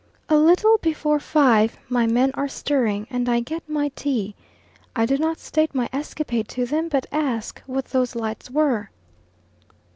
A little before five my men are stirring and I get my tea. I do not state my escapade to them, but ask what those lights were.